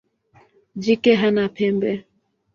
Jike hana pembe.